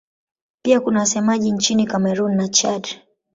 Pia kuna wasemaji nchini Kamerun na Chad.